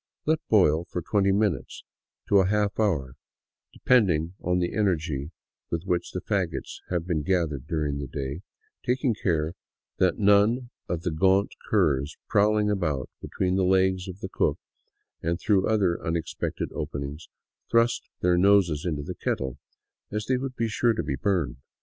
Let boil from twenty minutes to a half hour — depending on the energy with which fagots have been gathered during the day — taking care that none of the gaunt curs prowling about between the legs of the cook and through other un expected openings thrust their noses into the kettle, as they would be sure to be burned.